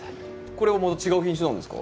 これはまた違う品種なんですか？